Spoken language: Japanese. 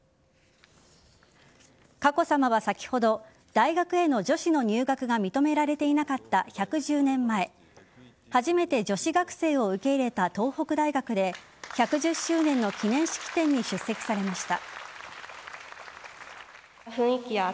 佳子さまは、先ほど大学への女子の入学が認められていなかった１１０年前初めて女子学生を受け入れた東北大学で１１０周年の記念式典に出席されました。